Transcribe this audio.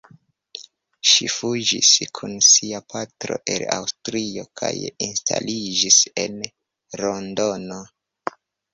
Ŝi fuĝis kun sia patro el Aŭstrio kaj instaliĝis en Londono.